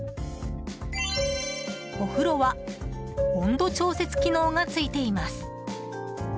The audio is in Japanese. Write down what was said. お風呂は温度調節機能が付いています。